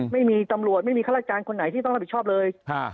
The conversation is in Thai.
ไม่มีตำรวจไม่มีข้าราชการคนไหนที่ต้องรับผิดชอบเลย